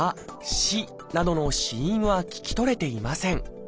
「し」などの子音は聞き取れていません。